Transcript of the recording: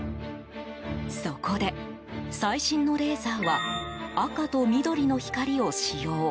そこで、最新のレーザーは赤と緑の光を使用。